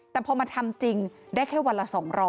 แต่พอมาทำจริงได้แค่วันละ๒๐๐